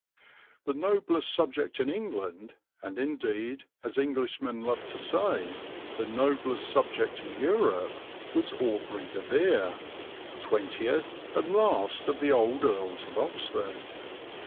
"The noblest subject in England, and indeed, as Englishmen loved to say, the noblest subject in Europe, was Aubrey de Vere, twentieth and last of the old Earls of Oxford.